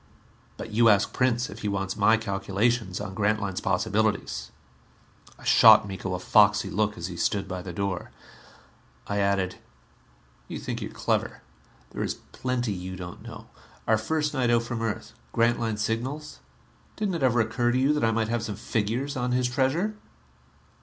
But you ask Prince if he wants my calculations on Grantline's possibilities." I shot Miko a foxy look as he stood by the door. I added, "You think you are clever. There is plenty you don't know. Our first night out from Earth Grantline's signals didn't it ever occur to you that I might have some figures on his treasure?"